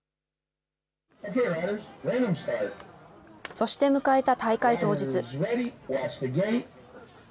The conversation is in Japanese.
そして迎えた大会当日。